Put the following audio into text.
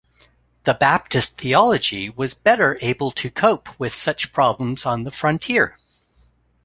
The Baptist theology was better able to cope with such problems on the frontier.